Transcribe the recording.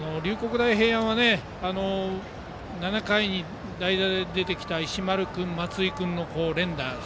大平安は７回に代打で出てきた石丸君、松井君の連打